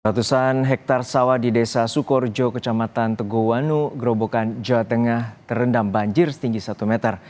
ratusan hektare sawah di desa sukorjo kecamatan tegowanu gerobokan jawa tengah terendam banjir setinggi satu meter